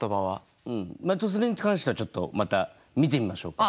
まあそれに関してはちょっとまた見てみましょうか。